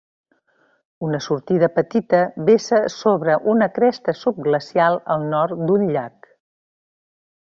Una sortida petita vessa sobre una cresta subglacial al nord d'un llac.